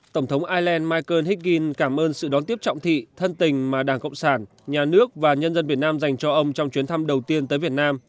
tổng thống ireland michael hick in cảm ơn sự đón tiếp trọng thị thân tình mà đảng cộng sản nhà nước và nhân dân việt nam dành cho ông trong chuyến thăm đầu tiên tới việt nam